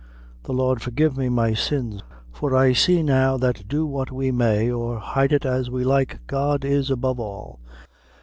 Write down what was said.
The Lord forgive me my sins! for I see now that do what we may, or hide it as we like, God is above all!